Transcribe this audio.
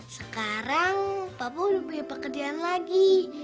sekarang papa udah punya pekerjaan lagi